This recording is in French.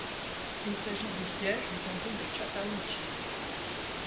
Il s'agit du siège du comté de Chattahoochee.